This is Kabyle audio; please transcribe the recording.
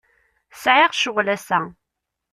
Sɛiɣ ccɣel ass-a.